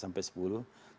jadi pada kondisi ini